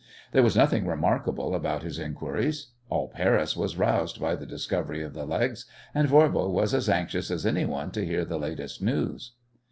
There was nothing remarkable about his inquiries. All Paris was roused by the discovery of the legs, and Voirbo was as anxious as anyone to hear the latest news.